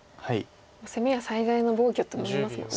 攻めは最大の防御といいますもんね。